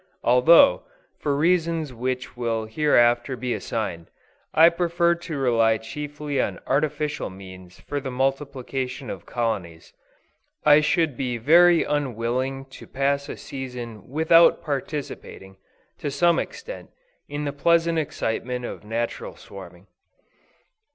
Although, for reasons which will hereafter be assigned, I prefer to rely chiefly on artificial means for the multiplication of colonies, I should be very unwilling to pass a season without participating, to some extent, in the pleasing excitement of natural swarming.